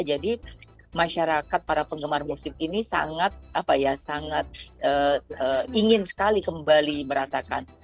jadi masyarakat para penggemar musik ini sangat ingin sekali kembali meratakan